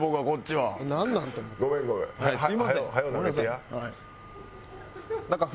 はい。